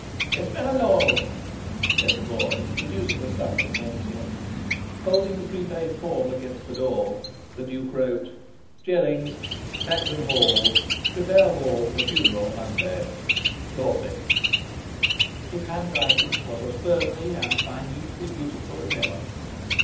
"Yes, my Lord," said the boy, producing a stump of pencil. Holding the prepaid form against the door, the Duke wrote: Jellings Tankerton Hall Prepare vault for funeral Monday Dorset His handwriting was as firmly and minutely beautiful as ever.